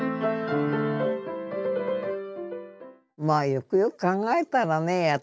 まあよくよく考えたらねえ